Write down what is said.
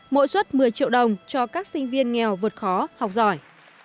mỗi suất một mươi triệu đồng cho các sinh viên nghèo vượt khó học giỏi